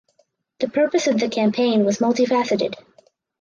The purpose of the campaign was multifaceted.